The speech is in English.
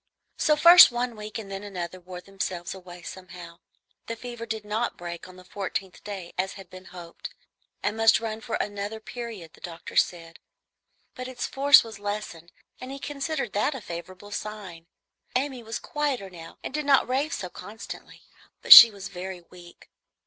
So first one week and then another wore themselves away somehow. The fever did not break on the fourteenth day, as had been hoped, and must run for another period, the doctor said; but its force was lessened, and he considered that a favorable sign. Amy was quieter now and did not rave so constantly, but she was very weak.